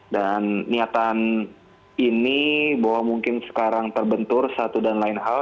dan niatan ini bahwa mungkin sekarang terbentur satu dan lain hal